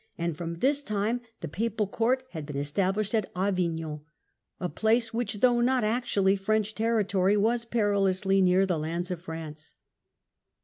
and from ^^^§"^0° his time the Papal Court had been established at Avig non ; a place which, though not actually French territory, was perilously near the lands of France.